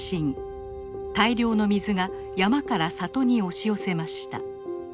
大量の水が山から里に押し寄せました。